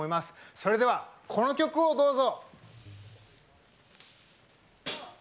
それでは、この曲をどうぞ！